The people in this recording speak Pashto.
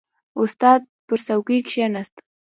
• استاد پر څوکۍ کښېناست.